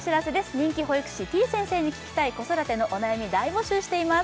人気保育士てぃ先生に聞きたい子育てのお悩み大募集しています